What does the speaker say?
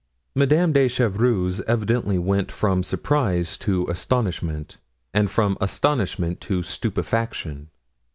'" Madame de Chevreuse evidently went from surprise to astonishment, and from astonishment to stupefaction.